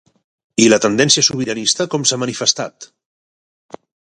I la tendència sobiranista com s'ha manifestat?